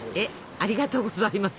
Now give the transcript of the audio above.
ありがとうございます。